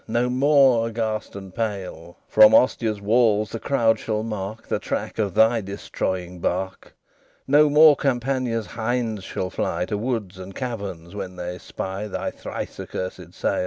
No more, aghast and pale, From Ostia's walls the crowd shall mark The track of thy destroying bark. No more Campania's hinds shall fly To woods and caverns when they spy Thy thrice accursed sail."